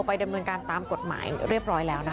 ดำเนินการตามกฎหมายเรียบร้อยแล้วนะคะ